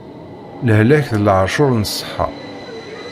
Lehlak d laɛcuṛ n ṣṣeḥḥa.